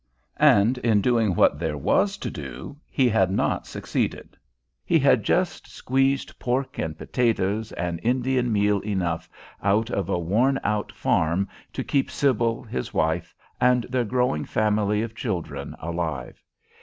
And in doing what there was to do he had not succeeded. He had just squeezed pork and potatoes and Indian meal enough out of a worn out farm to keep Sybil, his wife, and their growing family of children alive.